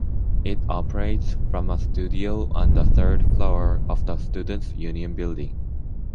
It operates from a studio on the third floor of the Students' Union building.